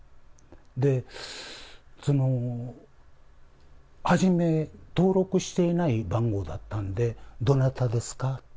で、初め、登録していない番号だったんで、どなたですか？